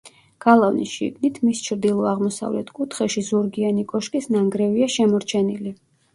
გალავნის შიგნით, მის ჩრდილო-აღმოსავლეთ კუთხეში ზურგიანი კოშკის ნანგრევია შემორჩენილი.